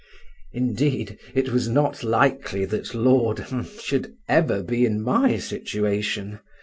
Indeed, it was not likely that Lord —— should ever be in my situation.